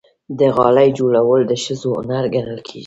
د غالۍ جوړول د ښځو هنر ګڼل کېږي.